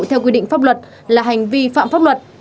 theo quy định pháp luật là hành vi phạm pháp luật